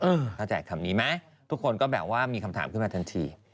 เข้าใจคำนี้ไหมทุกคนก็แบบว่ามีคำถามขึ้นมาทันที